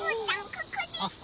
ここでした！